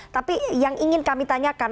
tapi yang ingin kami tanyakan